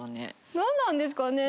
なんなんですかね？